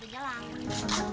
sekarang nggak ada pam